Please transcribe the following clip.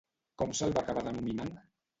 Com se'l va acabar denominant?